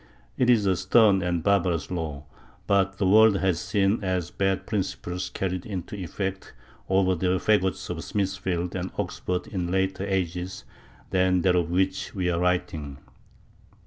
It is a stern and barbarous law, but the world has seen as bad principles carried into effect over the faggots of Smithfield and Oxford in later ages than that of which we are writing.